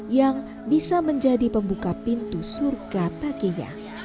yang bisa menjadi pembuka pintu surga baginya